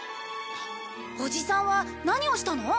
おじさんは何をしたの？